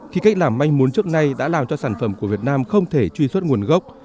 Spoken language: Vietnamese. khi cách làm manh muốn trước nay đã làm cho sản phẩm của việt nam không thể truy xuất nguồn gốc